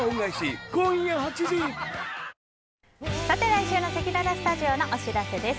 来週のせきららスタジオのお知らせです。